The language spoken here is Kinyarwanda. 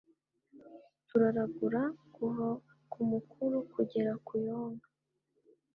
turaragura kuva ku mukuru kugera kuyonka